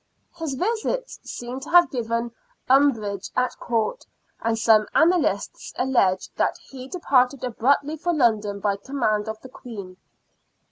His visit seems to have given umbrage at Court, and some annalists allege that he departed abruptly for London by command of the Queen.